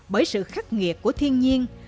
bởi sự khắc nghiệt của thiên nhiên